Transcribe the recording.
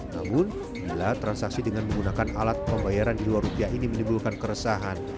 namun bila transaksi dengan menggunakan alat pembayaran di luar rupiah ini menimbulkan keresahan